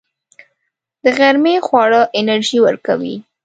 د غرمې خواړه انرژي ورکوي